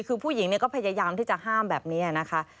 คือผู้หญิงก็พยายามที่จะห้ามแบบนี้นะคะ